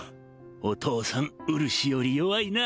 お父さんうるしより弱いな